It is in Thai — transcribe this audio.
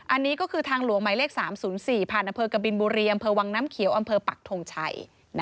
อันนี้ก็คือทางหลวงหมายเลข๓๐๔ผ่านอำเภอกบินบุรีอำเภอวังน้ำเขียวอำเภอปักทงชัย